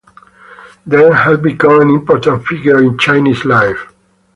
Deng had become an important figure in Chinese life.